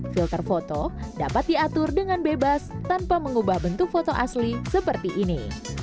filter foto dapat diatur dengan bebas tanpa mengubah bentuk foto asli seperti ini